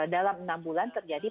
dalam enam bulan terjadi